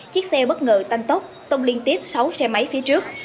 chiếc xe bất ngờ tăng tốc tông liên tiếp sáu xe máy phía trước